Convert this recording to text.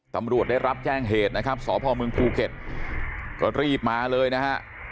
ตำรวจได้รับแจ้งเหตุนะครับสพมภูเก็ตก็รีบมาเลยนะฮะ